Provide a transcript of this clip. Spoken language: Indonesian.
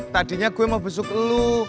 tadinya gue mau besuk lu